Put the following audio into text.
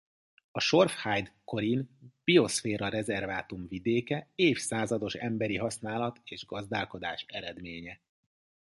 A Schorfheide-Chorin bioszféra-rezervátum vidéke évszázados emberi használat és gazdálkodás eredménye.